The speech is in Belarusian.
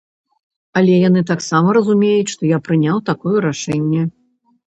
Але яны таксама разумеюць, што я прыняў такое рашэнне.